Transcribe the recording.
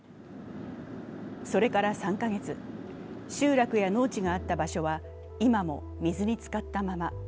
それから３か月、集落や農地があった場所は今も水に浸かったまま。